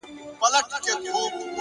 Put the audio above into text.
علم د عقل جوړښت پیاوړی کوي!.